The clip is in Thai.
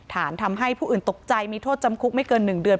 ฐานทำให้ผู้อื่นตกใจมีโทษจำคุกไม่เกิน๑เดือน